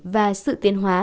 và sự tiến hóa